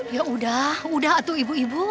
ya udah udah tuh ibu ibu